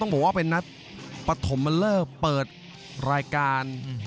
ต้องบอกว่าเป็นนัดประถมมันเลิกเปิดรายการ